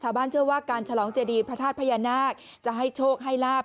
ชาวบ้านเชื่อว่าการฉลองเจดีพระธาตุพญานาคจะให้โชคให้ลาบ